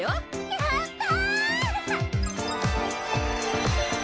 やった！